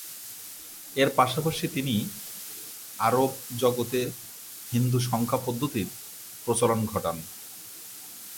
এর পাশাপাশি, তিনি আরব জগতে হিন্দু সংখ্যা পদ্ধতির প্রচলন ঘটান।